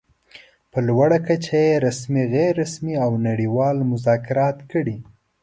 په لوړه کچه يې رسمي، غیر رسمي او نړۍوال مذاکرات کړي.